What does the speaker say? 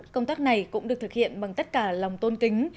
công tác này cũng được thực hiện bằng tất cả lòng tôn kính